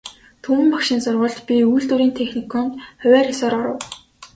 Түмэн багшийн сургуульд, би үйлдвэрийн техникумд хувиар ёсоор оров.